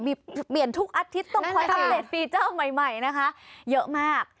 มีเปลี่ยนทุกอาทิตย์ต้องคอยอัปเดตฟีเจอร์ใหม่นะคะเยอะมาก